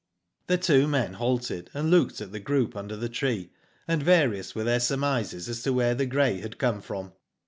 ^ "The two men halted, and. looked at the group under the tree, and various were their sur mises as to where the grey had come from.